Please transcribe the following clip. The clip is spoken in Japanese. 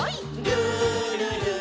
「るるる」